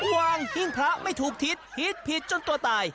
วางหิ่งพาไม่ถูกทิศทิศจนตัวตาย